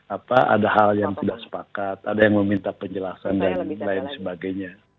apa ada hal yang tidak sepakat ada yang meminta penjelasan dan lain sebagainya